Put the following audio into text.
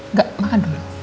nggak makan dulu